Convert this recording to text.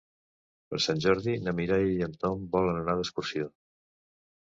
Per Sant Jordi na Mireia i en Tom volen anar d'excursió.